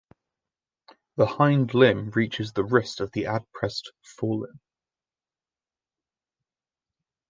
The hind limb reaches the wrist of the adpressed fore limb.